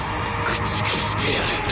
「駆逐してやる！」